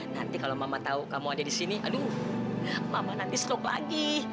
nanti kalau mama tahu kamu ada di sini aduh mama nanti skop lagi